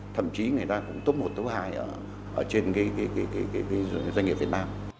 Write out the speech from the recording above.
thậm chí người ta cũng tốt một tốt hai trên doanh nghiệp việt nam